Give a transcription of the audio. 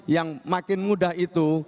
yang makin mudah itu